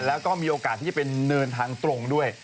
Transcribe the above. แล้วก็มีโอกาสที่จะเป็นเนินทางตรงด้วย